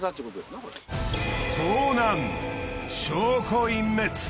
盗難証拠隠滅。